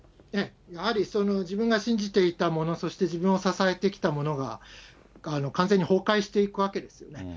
やはり自分が信じていたもの、そして自分を支えてきたものが完全に崩壊していくわけですよね。